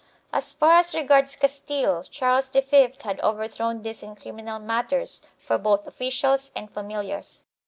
As far as regards Castile, Charles V had overthrown this in criminal matters for both officials and familiars.